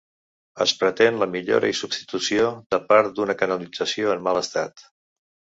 Es pretén la millora i substitució de part d’una canalització en mal estat.